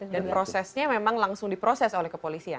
dan prosesnya memang langsung diproses oleh kepolisian